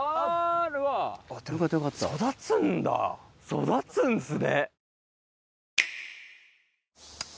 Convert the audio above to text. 育つんすね。